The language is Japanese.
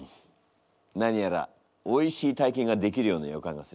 何やらおいしい体験ができるような予感がする。